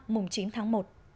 mùng chín tháng một